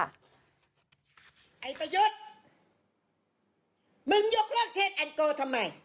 ไอ้ประยุทธ์